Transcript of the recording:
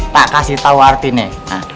tak kasih tau arti nih